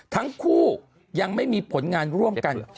ทั้งคู่ยังไม่มีผลงานร่วมกัน